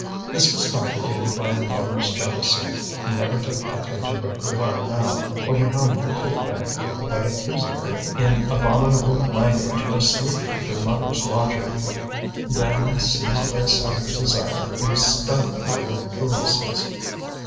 This was complicated by a lover's jealousy. He never took Catherine to Réquillart now or behind the pit bank without accusing her in abominable language of sleeping with her mother's lodger; then, seized by savage desire, he would stifle her with caresses.